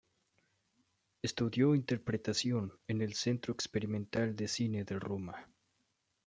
Estudió interpretación en el Centro Experimental de Cine de Roma.